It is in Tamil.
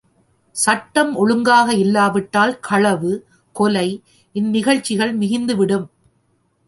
சட்டம் ஒழுங்காக இல்லாவிட்டால் களவு, கொலை இந் நிகழ்ச்சிகள் மிகுந்துவிடும்.